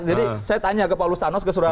jadi saya tanya ke paulus thanos